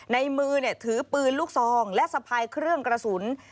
ในมือถือปืนลูกซองและสะพายเครื่องกระสุน